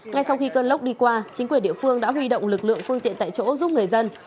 ngay sau khi cơn lốc đi qua chính quyền địa phương đã huy động lực lượng phương tiện tại chỗ giúp người dân